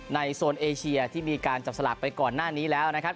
โซนเอเชียที่มีการจับสลากไปก่อนหน้านี้แล้วนะครับ